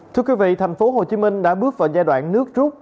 thưa quý vị thành phố hồ chí minh đã bước vào giai đoạn nước rút